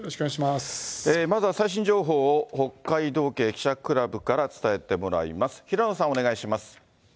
まずは最新情報を北海道警記者クラブから伝えてもらいます。